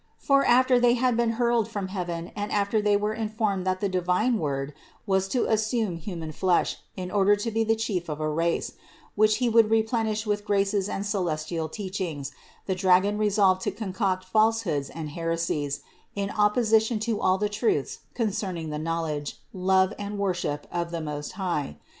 For after they had been hurled from heaven and after they THE INCARNATION 289 were informed that the divine Word was to assume human flesh in order to be the Chief of a race, which He would replenish with graces and celestial teachings, the dragon resolved to concoct falsehoods and heresies, in opposition to all the truths concerning the knowledge, love and worship of the Most High.